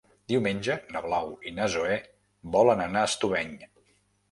Diumenge na Blau i na Zoè volen anar a Estubeny.